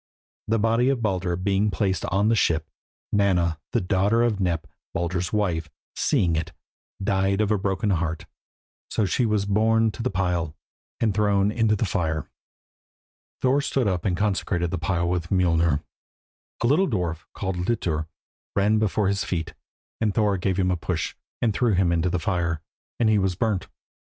The body of Baldur being placed on the ship, Nanna, the daughter of Nep, Baldur's wife, seeing it, died of a broken heart, so she was borne to the pile and thrown into the fire. Thor stood up and consecrated the pile with Mjolnir. A little dwarf, called Litur, ran before his feet, and Thor gave him a push, and threw him into the fire, and he was burnt.